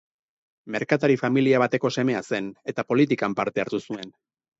Merkatari-familia bateko semea zen, eta politikan parte hartu zuen.